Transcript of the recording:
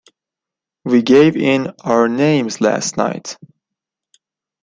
We gave in our names last night.